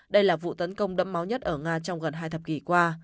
đây là vụ tấn công đẫm máu nhất ở nga trong gần hai thập kỷ qua